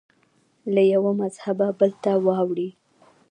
له یوه مذهبه بل ته واوړي